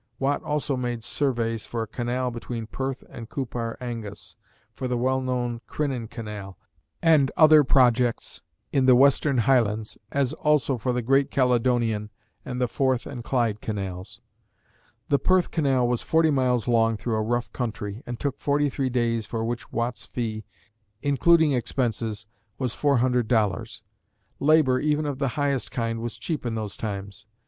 Watt also made surveys for a canal between Perth and Coupar Angus, for the well known Crinan Canal and other projects in the Western Highlands, as also for the great Caledonian and the Forth and Clyde Canals. The Perth Canal was forty miles long through a rough country, and took forty three days, for which Watt's fee, including expenses, was $400. Labor, even of the highest kind, was cheap in those times.